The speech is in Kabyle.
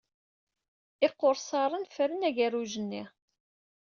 Iqursaṛen ffren agerruj-nni.